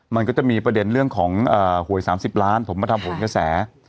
มันก็จะมีประเด็นเรื่องของหวย๓๐ล้านเหมือนผมมาทำหวยเกษียณ